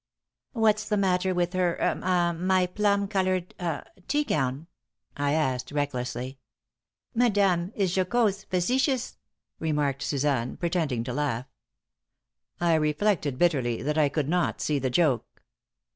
"What's the matter with her ah my plum colored ah tea gown?" I asked, recklessly. "Madame is jocose facetious," remarked Suzanne, pretending to laugh. I reflected bitterly that I could not see the joke.